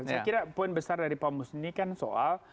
saya kira poin besar dari pak musni kan soal